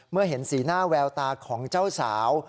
เมื่อเห็นสีหน้าแววตาของเจ้าสาว